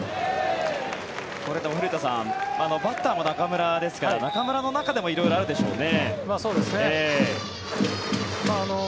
古田さんバッターも中村ですから中村の中でも色々あるでしょうね。